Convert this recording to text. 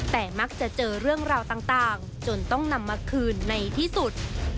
แต่มักจะเจอเรื่องราวต่างจนต้องนำมาคืนในที่สุด